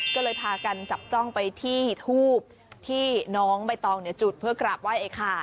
ก็เลยพากันจับจ้องไปที่ฮูบที่น้องไปตองเนี่ยจุดเพื่อกลับไหว้ไอ้ไข่